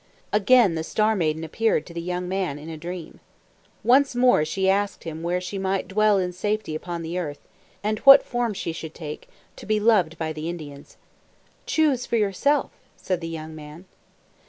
Again the Star Maiden appeared to the young man in a dream. Once more she asked him where she might dwell in safety upon the earth, and what form she should take, to be loved by the Indians. "Choose for yourself," said the young man.